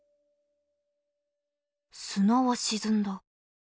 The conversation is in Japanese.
砂は沈んだ。